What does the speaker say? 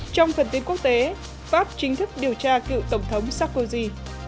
trong phần tin quốc tế pháp chính thức điều tra cựu tổng thống sarkozy